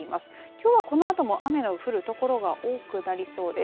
きょうはこのあとも雨の降るところが多くなりそうです。